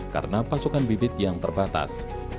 karena pasokan bibit yang terbatas